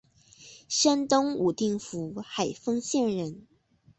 山东武定府海丰县人。